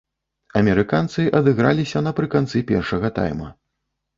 Амерыканцы адыграліся напрыканцы першага тайма.